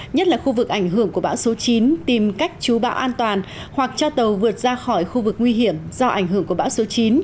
nhất là khu vực ảnh hưởng của bão số chín tìm cách chú bão an toàn hoặc cho tàu vượt ra khỏi khu vực nguy hiểm do ảnh hưởng của bão số chín